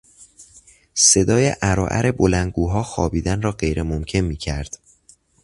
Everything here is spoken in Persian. صدای عر و عر بلندگوها خوابیدن را غیر ممکن میکرد.